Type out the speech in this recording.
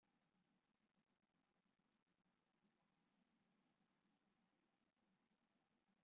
Sr. Fr.